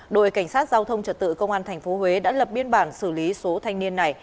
đội cảnh sát giao thông trật tự công an tp huế đã lập biên bản xử lý số thanh niên này